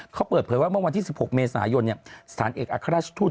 เขาเปิดเผยว่าเมื่อวันที่๑๖เมษายนสถานเอกอัครราชทูต